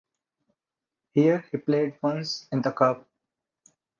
Here he played once in the cup.